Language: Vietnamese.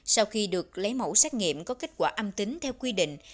sau khi được lấy mẫu xét nghiệm có kết quả âm tính theo quy định